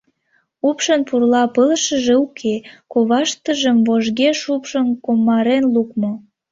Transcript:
Упшын пурла пылышыже уке, коваштыжым вожге шупшын-комарен лукмо.